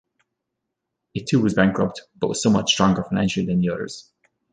It too was bankrupt, but was somewhat stronger financially than the others.